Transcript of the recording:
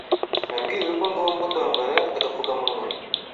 Nabwiwe ko ngomba kwambara agapfukamunwa